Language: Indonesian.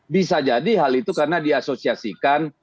bisa jadi hal itu karena diasosiasikan